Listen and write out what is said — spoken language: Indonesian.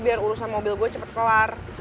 biar urusan mobil gue cepet keluar